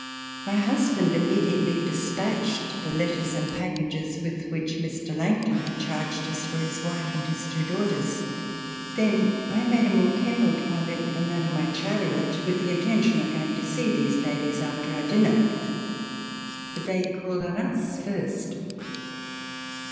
My husband immediately dispatched the letters and packages with which Mr. Langton had charged us for his wife and his two daughters. Then I made a more careful toilette than that of my chariot, with the intention of going to see these ladies after our dinner. But they called on us first.